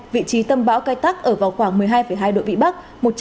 vị trí tâm bão kai tak ở vào khoảng một mươi hai hai đội vĩ bắc